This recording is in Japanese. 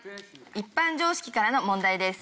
一般常識からの問題です。